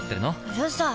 うるさい！